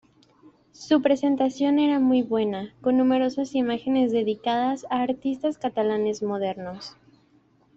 Su presentación era muy buena, con numerosas imágenes dedicadas a artistas catalanes modernos.